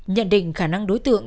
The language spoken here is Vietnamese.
nhận định khả năng đối tượng